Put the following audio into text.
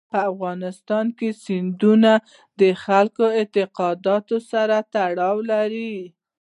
په افغانستان کې سیندونه د خلکو د اعتقاداتو سره تړاو لري.